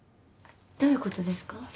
どういうことですか？